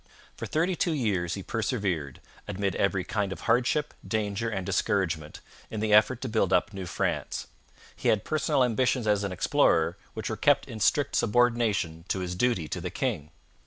For thirty two years he persevered, amid every kind of hardship, danger, and discouragement, in the effort to build up New France. He had personal ambitions as an explorer, which were kept in strict subordination to his duty to the king.